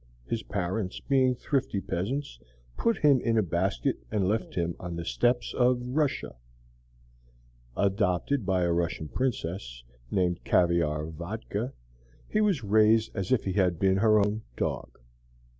His parents, being thrifty peasants, put him in a basket and left him on the steppes of Russia. Adopted by a Russian Princess, named Caviar Vodka, he was raised as if he had been her own dog.